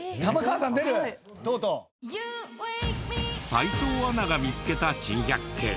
斎藤アナが見つけた珍百景。